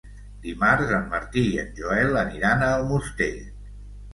Dimarts en Martí i en Joel aniran a Almoster.